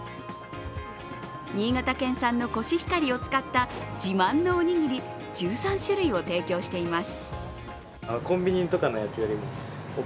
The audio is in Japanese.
新潟県産のコシヒカリを使った自慢のおにぎり１３種類を提供しています。